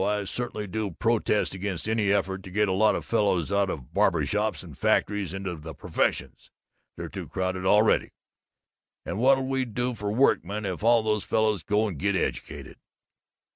I certainly do protest against any effort to get a lot of fellows out of barber shops and factories into the professions. They're too crowded already, and what'll we do for workmen if all those fellows go and get educated?"